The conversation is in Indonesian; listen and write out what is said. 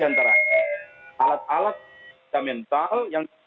di antara alat alat mental